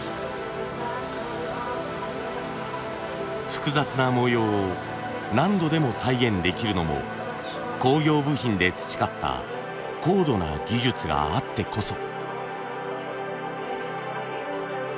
複雑な模様を何度でも再現できるのも工業部品で培った高度な技術があってこそ。